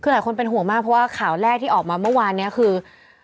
คือหลายคนเป็นห่วงมากเพราะว่าข่าวแรกที่ออกมาเมื่อวานนี้คือ